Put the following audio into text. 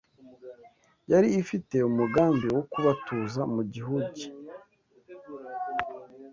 yari ifite umugambi wo kubatuza mu gihugi